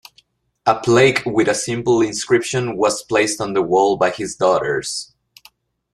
A plaque with a simple inscription was placed on the wall by his daughters.